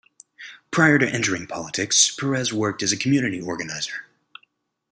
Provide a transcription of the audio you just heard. Prior to entering politics, Perez worked as a community organizer.